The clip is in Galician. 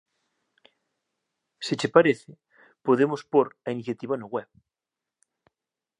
Se che parece, podemos pór a iniciativa no web.